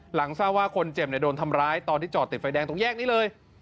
หลังทราบว่าคนเจ็บโดนทำร้ายตอนที่จอดติดไฟแดงตรงแยกนี้เลย